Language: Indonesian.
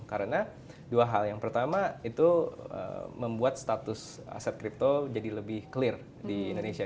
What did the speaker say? karena dua hal yang pertama itu membuat status aset crypto jadi lebih clear di indonesia